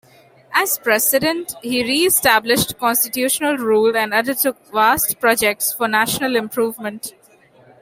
As president, he re-established constitutional rule and undertook vast projects for national improvement.